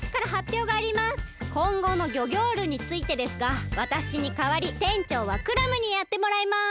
こんごのギョギョールについてですがわたしにかわりてんちょうはクラムにやってもらいます！